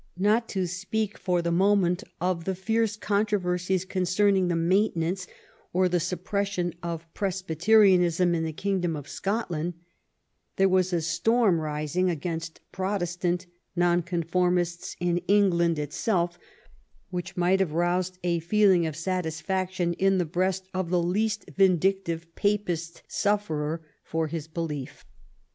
^Not to speak for the moment of the fierce controversies concerning the maintenance or the suppression of Presbyterianism in the kingdom of Scotland, there was a storm arising against Protestant Nonconformists in England itself which might have aroused a feeling of satisfaction in the breast of the least vindictive Papist sufferer for his belief.